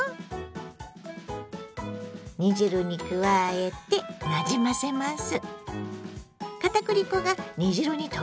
煮汁に加えてなじませます。